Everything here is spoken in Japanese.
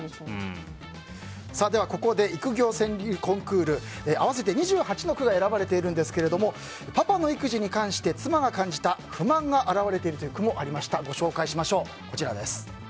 ここで「育業」川柳コンクール合わせて２８の句が選ばれているんですがパパの育児に関して妻が感じた不満が表れているという句もありました。